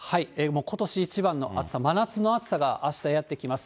ことし一番の暑さ、真夏の暑さがあしたやって来ます。